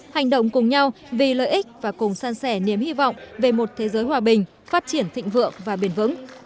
hành động cùng nhau vì lợi ích và cùng san sẻ niềm hy vọng về một thế giới hòa bình phát triển thịnh vượng và bền vững